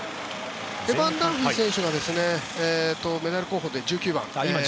エバン・ダンフィー選手がメダル候補で１９番。